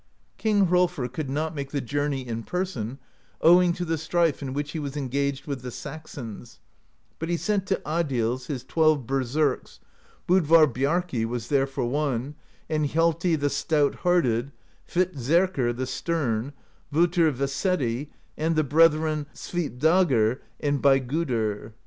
THE POESY OF SKALDS 171 King Hrolfr could not make the journey in person, owing to the strife in which he was engaged with the Saxons; but he sent to Adils his twelve berserks: Bodvar Bjarki was there for one, and Hjalti the Stout Hearted, Hvitserkr the Stern, Vottr Veseti, and the brethren Svipdagr and Bei gudr.